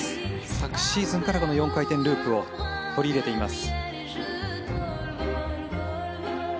昨シーズンから４回転ループを取り入れています。